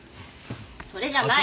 それじゃない！